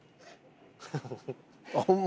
ホンマ？